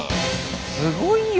すごいよ！